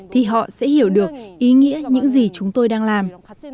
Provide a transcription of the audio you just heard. thì họ sẽ hiểu được ý nghĩa những gì chúng tôi đang làm